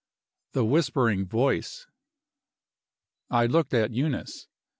THE WHISPERING VOICE. I looked at Eunice.